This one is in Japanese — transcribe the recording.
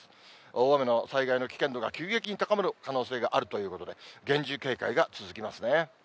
大雨の災害の危険度が急激に高まる可能性があるということで、厳重警戒が続きますね。